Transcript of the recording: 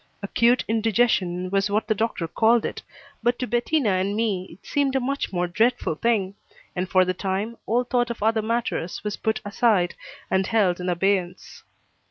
Acute indigestion was what the doctor called it, but to Bettina and me it seemed a much more dreadful thing, and for the time all thought of other matters was put aside and held in abeyance.